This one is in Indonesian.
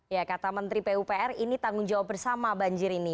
ya kata menteri pupr ini tanggung jawab bersama banjir ini